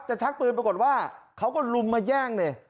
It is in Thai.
จะชักปืนปรากฎว่าเขาก็รุมมาแย่งเลย